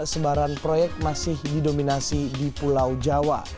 sebaran proyek masih didominasi di pulau jawa